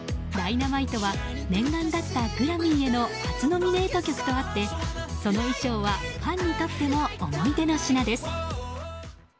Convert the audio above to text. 「Ｄｙｎａｍｉｔｅ」は念願だったグラミーへの初ノミネート曲とあってその衣装はファンにとっても思い出の品です。